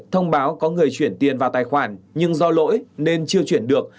thông báo có người chuyển tiền vào tài khoản nhưng do lỗi nên chưa chuyển được